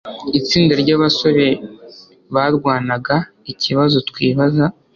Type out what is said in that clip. Itsinda ryabasore barwanaga ikibazo twibaza